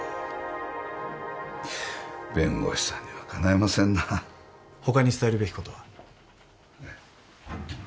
弁護士さんにはかないませんなほかに伝えるべきことは？